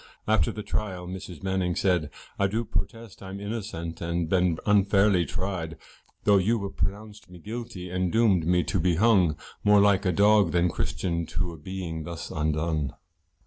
After the trial, Mrs Manning said, I do protest I'm innocent and been unfairly tried, Though you've pronounced me guilty, and doom'd me to be hung, More like a dog than Christian, to a being thus undone.